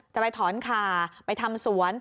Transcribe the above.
จะไปถอนขาไปทำสวน